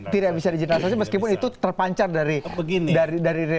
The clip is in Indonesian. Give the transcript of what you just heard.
tidak bisa dijenderalisasi meskipun itu terpancar dari reunita di pak kapitra